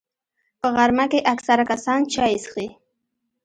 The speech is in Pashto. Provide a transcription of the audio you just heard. په غرمه کې اکثره کسان چای څښي